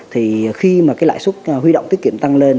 thì khi mà cái lãi suất huy động tiết kiệm tăng lên